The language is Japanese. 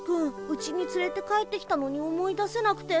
うちにつれて帰ってきたのに思い出せなくて。